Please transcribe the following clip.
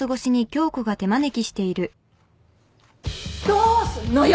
どうすんのよ！